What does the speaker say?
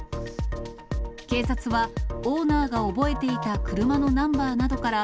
警察は、オーナーが覚えていた車のナンバーなどから、